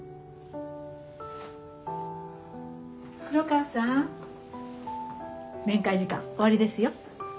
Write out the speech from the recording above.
黒川さん面会時間終わりですよ。